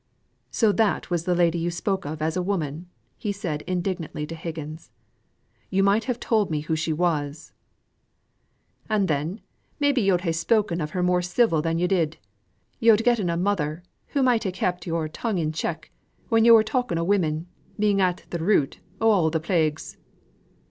"So that was the lady you spoke of as a woman?" said he indignantly to Higgins. "You might have told me who she was." "And then, maybe, yo'd have spoken of her more civil than yo' did; yo'd getten a mother who might ha' kept yo'r tongue in check when yo' were talking o' women being at the root of all the plagues."